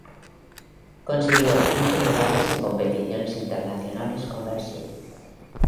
Consiguió cinco medallas en competiciones internacionales con Brasil.